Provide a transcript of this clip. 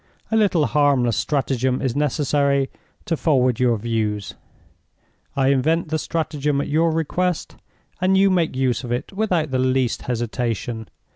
A little harmless stratagem is necessary to forward your views. I invent the stratagem at your request, and you make use of it without the least hesitation.